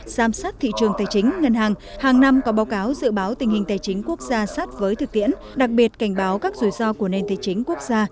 giám sát thị trường tài chính ngân hàng hàng năm có báo cáo dự báo tình hình tài chính quốc gia sát với thực tiễn đặc biệt cảnh báo các rủi ro của nền tài chính quốc gia